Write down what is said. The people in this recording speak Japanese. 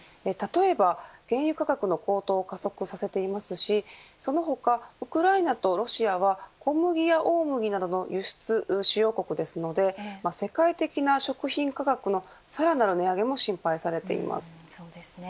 例えば、原油価格の高騰を加速させていますしその他、ウクライナとロシアは小麦や大麦などの輸出主要国ですので世界的な食品価格のさらなる値上げも心配されています。